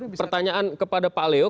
pertanyaan kepada pak leo